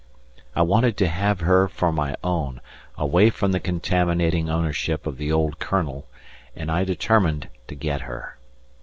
I wanted to have her for my own, away from the contaminating ownership of the old Colonel, and I determined to get her.